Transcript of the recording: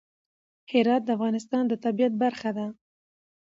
هرات د افغانستان د طبیعت برخه ده.